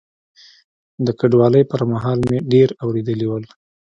د کډوالۍ پر مهال مې ډېر اورېدلي ول.